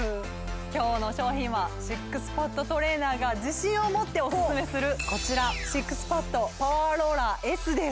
今日の商品はＳＩＸＰＡＤトレーナーが自信をもってオススメするこちらＳＩＸＰＡＤパワーローラーＳです